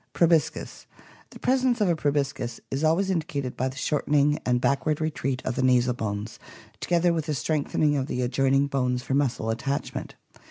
Proboscis. — The presence of a proboscis is always indicated by the shortening and backward retreat of the nasal bones, together with a strengthening of the adjoining bones for muscle attachment.